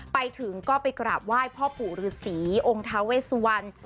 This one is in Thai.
ไปถึงก็ไปกระว่ายพ่อผูหรือศรีองค์ทาเวรสุวรรณ